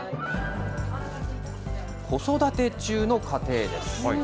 子育て中の家庭です。